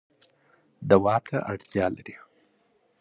دوا ته اړتیا لرئ